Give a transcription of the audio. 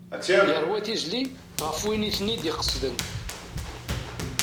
Yerwa tizli ɣef wid iten-id-iqesden.